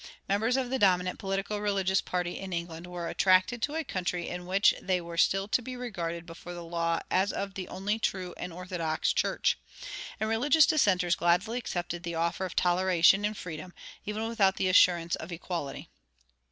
Members of the dominant politico religious party in England were attracted to a country in which they were still to be regarded before the law as of the "only true and orthodox" church; and religious dissenters gladly accepted the offer of toleration and freedom, even without the assurance of equality.